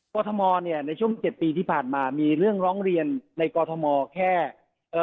กรทมเนี่ยในช่วงเจ็ดปีที่ผ่านมามีเรื่องร้องเรียนในกอทมแค่เอ่อ